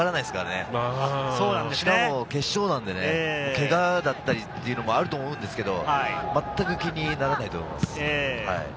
しかも決勝なので、けがだったりというのもあると思うんですけど、まったく気にならないと思います。